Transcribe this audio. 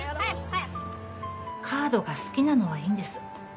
カードが好きなのはいいんです。